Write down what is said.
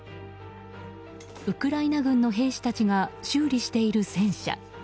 ウクライナ軍の兵士たちが修理している戦車。